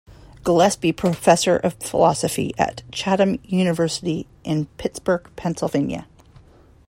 Gillespie Professor of Philosophy at Chatham University in Pittsburgh, Pennsylvania.